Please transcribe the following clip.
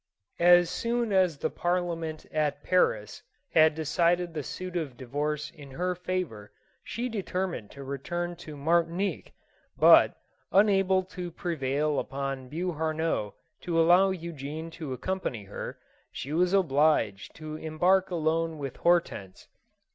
As soon as the Parliament at Paris had decided the suit of divorce in her favor, she determined to return to Martinique ; but, unable to prevail upon Beauhar nois to allow Eugene to accompany her, she was obliged to embark alone with Hortense.